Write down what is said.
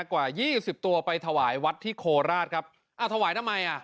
กว่ายี่สิบตัวไปถวายวัดที่โคราชครับอ้าวถวายทำไมอ่ะ